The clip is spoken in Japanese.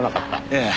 ええ。